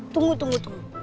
tunggu tunggu tunggu